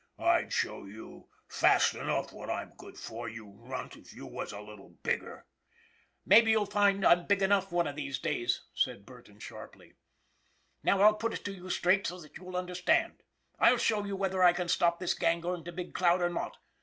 " I'd show you fast enough what I'm good for, you runt, if you was a little bigger!'' " Maybe you'll find I'm big enough one of these days," said Burton, sharply. " Now I'll put it to you straight so that you'll understand. I'll show you whether I can stop the gang going to Big Cloud or not.